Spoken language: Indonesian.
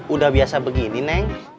udah biasa begini neng